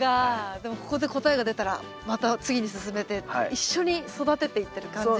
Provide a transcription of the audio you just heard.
でもここで答えが出たらまた次に進めて一緒に育てていってる感じがね。